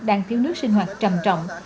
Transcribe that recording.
đang thiếu nước sinh hoạt trầm trọng